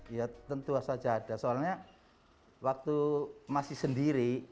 ya tentu saja ada soalnya waktu masih sendiri